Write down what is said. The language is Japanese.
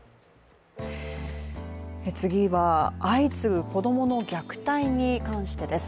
次は相次ぐ子供の虐待に関してです。